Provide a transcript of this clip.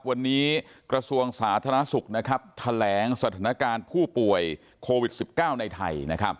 วันนี้กระทรวงสาธารณสุขแถลงสถานการณ์ผู้ป่วยโควิด๑๙ในไทย